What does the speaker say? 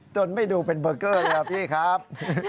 จนไม่ดูเป็นเบอร์เกอร์เลยครับ